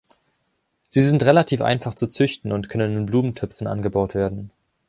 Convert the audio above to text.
Sie sind relativ einfach zu züchten und können in Blumentöpfen angebaut werden.